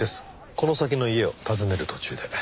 この先の家を訪ねる途中で。